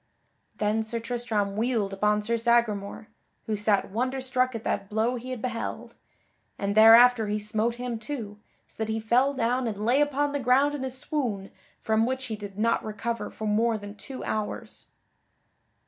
Then Sir Tristram wheeled upon Sir Sagramore (who sat wonder struck at that blow he had beheld) and thereafter he smote him too, so that he fell down and lay upon the ground in a swoon from which he did not recover for more than two hours.